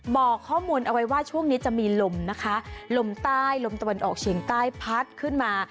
บอกข้อมูลเอาไว้ว่าช่วงนี้จะมีลมนะคะลมใต้ลมตะวันออกเฉียงใต้พัดขึ้นมา